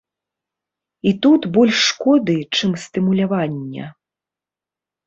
І тут больш шкоды, чым стымулявання.